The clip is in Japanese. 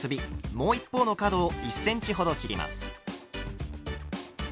もう一方の角を１ｃｍほど切ります。